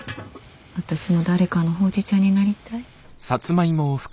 私も誰かのほうじ茶になりたい。